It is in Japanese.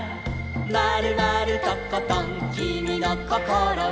「まるまるとことんきみのこころは」